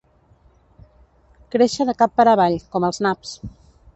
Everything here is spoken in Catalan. Créixer de cap per avall, com els naps.